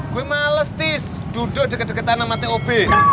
gue males tis duduk deket deketan sama tob